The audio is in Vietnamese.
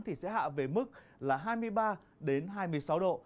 thì sẽ hạ về mức là hai mươi ba hai mươi sáu độ